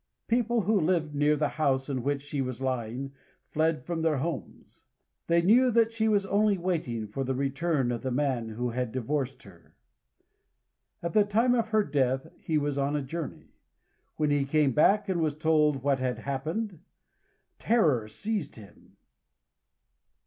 People who lived near the house in which she was lying fled from their homes. They knew that she was only waiting for the return of the man who had divorced her. At the time of her death he was on a journey. When he came back and was told what had happened, terror seized him.